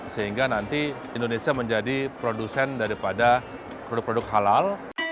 sehingga nanti indonesia menjadi produsen daripada produk produk halal